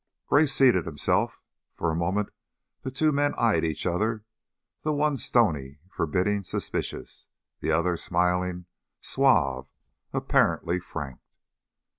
Gray seated himself. For a moment the two men eyed each other, the one stony, forbidding, suspicious, the other smiling, suave, apparently frank.